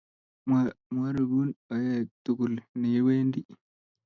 moarupin hoiaketukul neiwendii